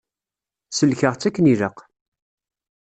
Sellkeɣ-tt akken ilaq.